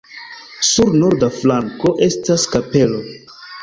Sur norda flanko estas kapelo.